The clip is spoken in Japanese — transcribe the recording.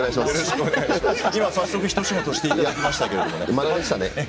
今、早速一仕事していただきましたけれど。